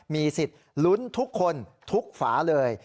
มีสิทธิ์ลุ้นทุกคนทุกฝาเลย